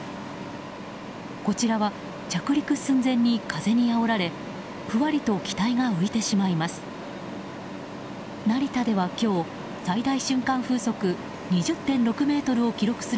こちらは着陸寸前に風にあおられふわりと機体が浮いてしまいます。